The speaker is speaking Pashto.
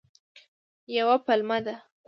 یوه پلمه ده.